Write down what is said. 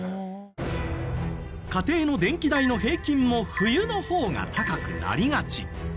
家庭の電気代の平均も冬の方が高くなりがち。